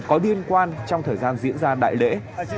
có liên quan trong thời gian diễn ra đại lễ